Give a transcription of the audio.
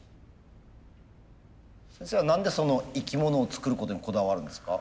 先生は何で生き物を作ることにこだわるんですか？